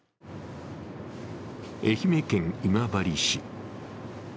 愛媛県今治市。